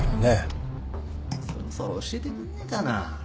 そろそろ教えてくんねえかな？